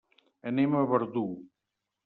Anem a Verdú.